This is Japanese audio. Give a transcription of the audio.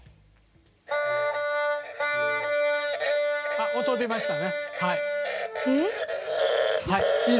あっ音出ました。